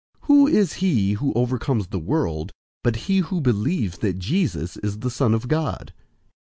005:005 Who is he who overcomes the world, but he who believes that Jesus is the Son of God?